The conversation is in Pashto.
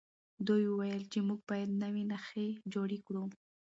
دوی وویل چې موږ باید نوي نښې جوړې کړو.